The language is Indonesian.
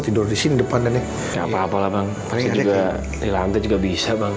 tidur di sini depan dan ya nggak apa apa lah bang juga di lantai juga bisa bang